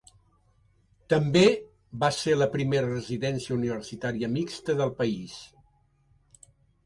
També va ser la primera residència universitària mixta del país.